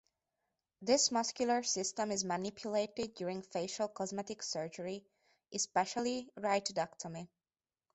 This muscular system is manipulated during facial cosmetic surgery, especially rhytidectomy.